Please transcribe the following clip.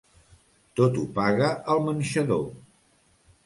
Tot ho paga el manxador.